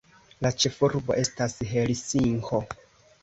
La ĉefurbo estas Helsinko.